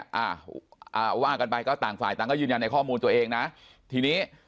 อ่าอ่าว่ากันไปก็ต่างฝ่ายต่างก็ยืนยันในข้อมูลตัวเองนะทีนี้